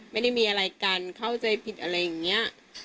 ไม่ได้มีอะไรกันเข้าใจผิดอะไรอย่างนี้